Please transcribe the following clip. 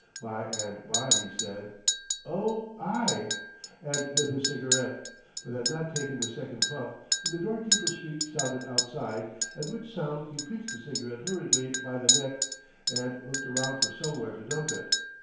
By and by he said: "Oh, aye!" and lit his cigarette, but had not taken the second puff when the doorkeeper's feet sounded outside, at which sound he pinched the cigarette hurriedly by the neck, and looked around for somewhere to dump it.